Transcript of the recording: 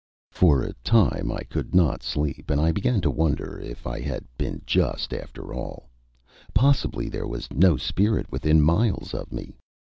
For a time I could not sleep, and I began to wonder if I had been just, after all. Possibly there was no spirit within miles of me.